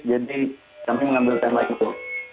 jadi kami mengambil tema itu